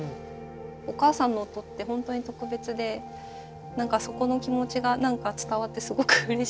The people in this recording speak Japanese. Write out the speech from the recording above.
お母さんの音って本当に特別で何かそこの気持ちが伝わってすごくうれしいです。